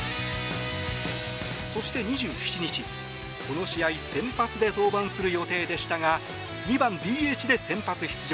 そして２７日、この試合先発で登板する予定でしたが２番ＤＨで先発出場。